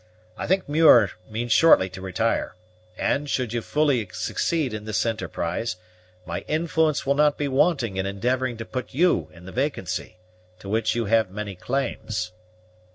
I think Muir means shortly to retire; and, should you fully succeed in this enterprise, my influence will not be wanting in endeavoring to put you in the vacancy, to which you have many claims."